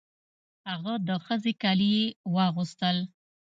هغه د ښځې کالي یې واغوستل.